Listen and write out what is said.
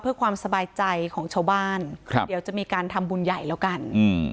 เพื่อความสบายใจของชาวบ้านครับเดี๋ยวจะมีการทำบุญใหญ่แล้วกันอืม